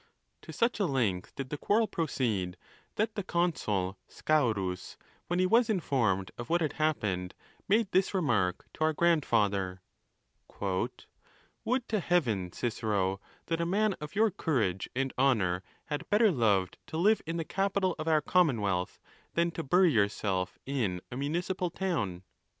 To such a length did the quarrel proceed, that the consul Scaurus, when he was informed of what had happened, made this remark to our grandfather: " Would to heaven, Cicero, that a man of your courage and honour had better loved to live in the capital of our commonwealth, than to bury yourself in a municipal town!"